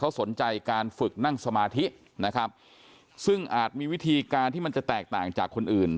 เขาสนใจการฝึกนั่งสมาธินะครับซึ่งอาจมีวิธีการที่มันจะแตกต่างจากคนอื่น